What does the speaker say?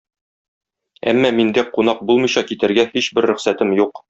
Әмма миндә кунак булмыйча китәргә һичбер рөхсәтем юк.